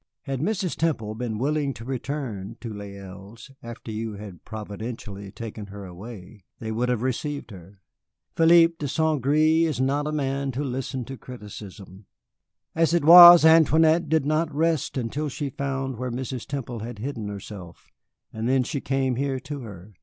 Had Mrs. Temple been willing to return to Les Îles after you had providentially taken her away, they would have received her. Philippe de St. Gré is not a man to listen to criticism. As it was, Antoinette did not rest until she found where Mrs. Temple had hidden herself, and then she came here to her.